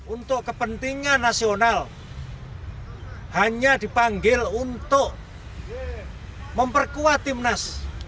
untuk kepentingan nasional hanya dipanggil untuk memperkuat timnas